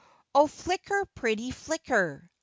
" O flicker, pretty flicker !